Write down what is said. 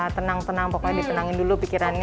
tenang tenang pokoknya disenangin dulu pikirannya